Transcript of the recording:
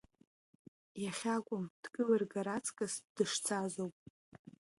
Иахьакәым дкылыргар аҵкыс дышцазоуп.